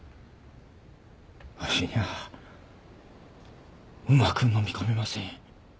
わしにはうまくのみ込めません。